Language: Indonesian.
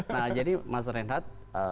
nah jadi mas renhat